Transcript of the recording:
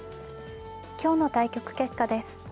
今日の対局結果です。